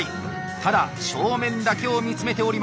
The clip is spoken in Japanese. ただ正面だけを見つめております。